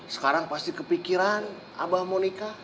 sekarang pasti kepikiran abah mau nikah